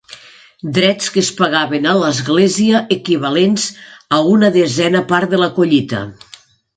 Drets que es pagaven a l'Església, equivalents a una desena part de la collita.